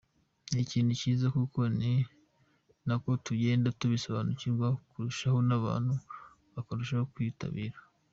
Ni ikintu cyiza kuko ni nako tugenda tubisobanukirwa kurushaho n’abantu bakarushaho kwitabira”.